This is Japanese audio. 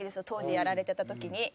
当時やられてた時に。